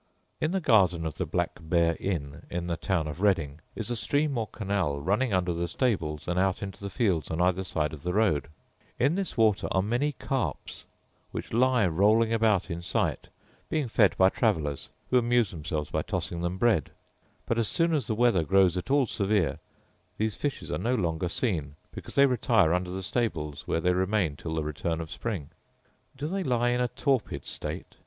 In the garden of the Black bear inn in the town of Reading is a stream or canal running under the stables and out into the fields on the other side of the road; in this water are many carps, which lie rolling about in sight, being fed by travellers, who amuse themselves by tossing them bread: but as soon as the weather grows at all severe these fishes are no longer seen, because they retire under the stables, where they remain till the return of spring. Do they lie in a torpid state?